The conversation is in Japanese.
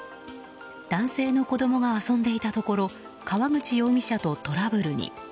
男性の子供が遊んでいたところ川口容疑者とトラブルに。